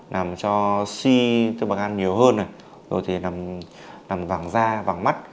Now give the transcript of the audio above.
nằm cho suy thư bạc gan nhiều hơn nằm vàng da vàng mắt